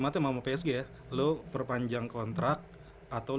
udah di ultimata mau psg lo perpanjang kontrak atau